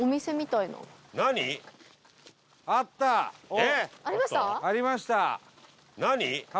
伊達：ありました。